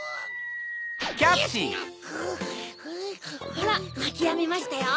ほらなきやみましたよ！